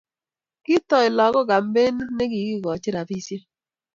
Kitoi lakok kampenit nekikochin rabisiek